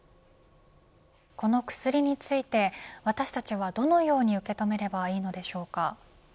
この薬について私たちはどのように受け止めればよいのでしょうか。